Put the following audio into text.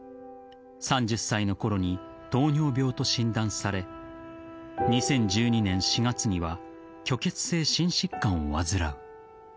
３０歳のころに糖尿病と診断され２０１２年４月には虚血性心疾患を患う。